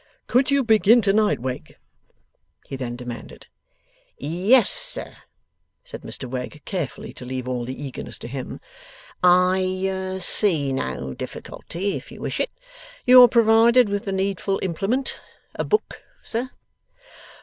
'Could you begin to night, Wegg?' he then demanded. 'Yes, sir,' said Mr Wegg, careful to leave all the eagerness to him. 'I see no difficulty if you wish it. You are provided with the needful implement a book, sir?